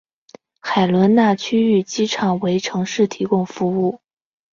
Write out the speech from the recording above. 海伦娜区域机场为城市提供服务。